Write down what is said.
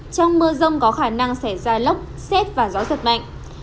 trong mưa rông có khả năng xảy ra lốc xét và gió giật mạnh